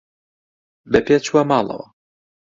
بە پێ چووە ماڵەوە.